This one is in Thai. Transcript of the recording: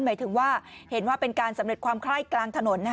หมายถึงว่าเห็นว่าเป็นการสำเร็จความไคร้กลางถนน